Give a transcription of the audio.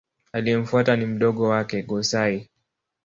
Aliyemfuata ni mdogo wake Go-Sai.